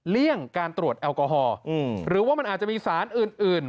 เลี่ยงการตรวจแอลกอฮอล์หรือว่ามันอาจจะมีสารอื่น